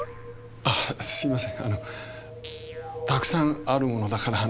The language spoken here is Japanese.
あすいません。